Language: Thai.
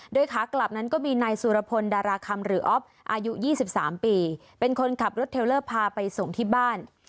โดยขากลับนั้นก็มีนายสุรพลดาราคำหรืออ๊อฟอายุ๒๓ปีเป็นคนขับรถเทลเลอร์พาไปส่งที่บ้าน